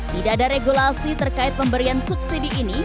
tidak ada regulasi terkait pemberian subsidi ini